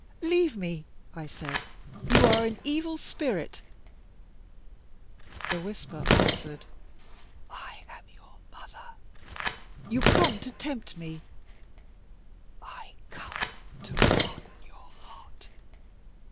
"Leave me," I said. "You are an Evil Spirit." The whisper answered: "I am your mother." "You come to tempt me." "I come to harden your heart.